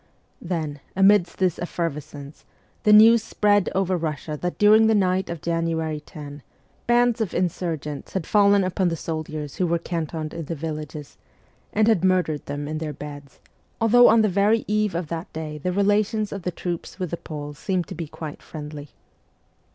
Then, amidst this effervescence, the news spread over Russia that during the night of January 10 bands of insurgents had fallen upon the soldiers who were cantoned in the villages, and had murdered them in their beds, although on the very eve of that day the relations of the troops with the Poles seemed to be quite friendly.